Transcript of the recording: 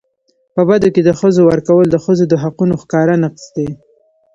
په بدو کي د ښځو ورکول د ښځو د حقونو ښکاره نقض دی.